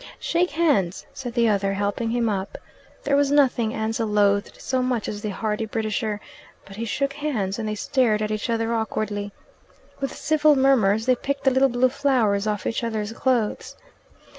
"Shake hands!" said the other, helping him up. There was nothing Ansell loathed so much as the hearty Britisher; but he shook hands, and they stared at each other awkwardly. With civil murmurs they picked the little blue flowers off each other's clothes.